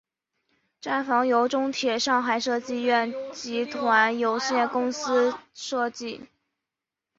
站房由中铁上海设计院集团有限公司设计。